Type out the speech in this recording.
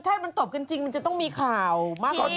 ใช่มันตบกันจริงมันจะต้องมีข่าวมากกว่านี้